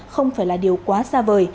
không phải là điều khó